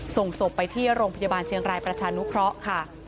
ส่งศพไปที่โรงพยาบาลเชียงรายประชานุเคราะห์ค่ะ